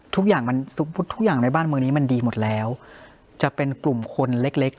ทุกอย่างมันทุกอย่างในบ้านเมืองนี้มันดีหมดแล้วจะเป็นกลุ่มคนเล็กเล็ก